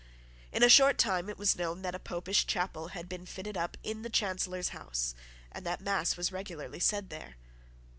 In a short time it was known that a Popish chapel had been fitted up in the Chancellor's house, and that mass was regularly said there.